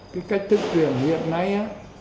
cái cách thức truyền hiện nay á